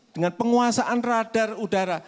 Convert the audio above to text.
dengan penguasaan radar udara